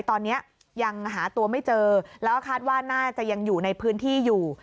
ตอนนี้ยังหาตัวไม่เจอแล้วก็คาดว่าน่าจะยังอยู่ในพื้นที่อยู่